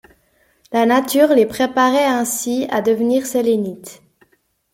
La nature les préparait ainsi à devenir Sélénites.